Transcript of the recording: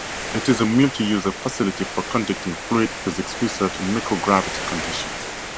It is a multi-user facility for conducting fluid physics research in microgravity conditions.